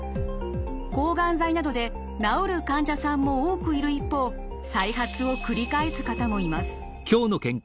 抗がん剤などで治る患者さんも多くいる一方再発を繰り返す方もいます。